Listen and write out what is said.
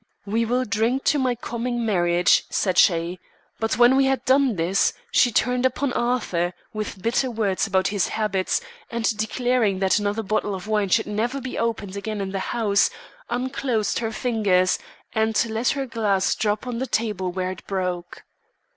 'We will drink to my coming marriage,' said she; but when we had done this, she turned upon Arthur, with bitter words about his habits, and, declaring that another bottle of wine should never be opened again in the house, unclosed her fingers and let her glass drop on the table where it broke.